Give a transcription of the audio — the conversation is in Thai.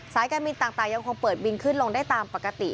การบินต่างยังคงเปิดบินขึ้นลงได้ตามปกติ